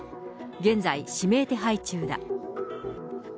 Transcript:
現在、指名手配中だ。